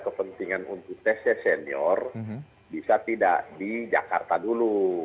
kepentingan untuk tesnya senior bisa tidak di jakarta dulu